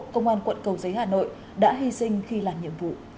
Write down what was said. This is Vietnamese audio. công an quận cầu giấy hà nội đã hy sinh khi làm nhiệm vụ